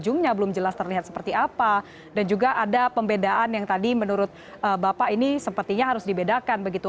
ujungnya belum jelas terlihat seperti apa dan juga ada pembedaan yang tadi menurut bapak ini sepertinya harus dibedakan begitu